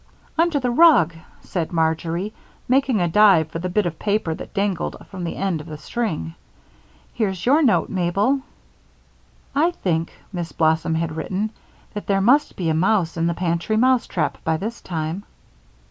"Under the rug," said Marjory, making a dive for the bit of paper that dangled from the end of the string. "Here's your note, Mabel." "I think," Miss Blossom had written, "that there must be a mouse in the pantry mousetrap by this time."